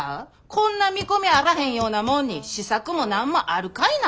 こんな見込みあらへんようなもんに試作も何もあるかいな。